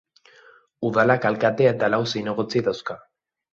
Udalak alkatea eta lau zinegotzi dauzka.